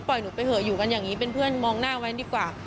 หนูไปเหอะอยู่กันอย่างนี้เป็นเพื่อนมองหน้าไว้ดีกว่า